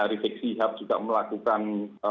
resik sihab juga melakukan